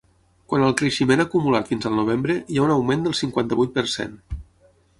Quant al creixement acumulat fins al novembre, hi ha un augment del cinquanta-vuit per cent.